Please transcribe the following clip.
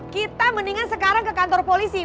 kita mendingan sekarang ke kantor polisi